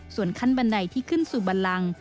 ส่วนขั้นบันไดที่ขึ้นสู่บันลัง